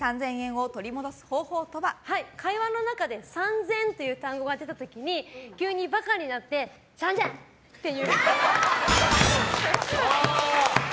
会話の中で３０００っていう単語が出た時に急にバカになって３０００？って言う。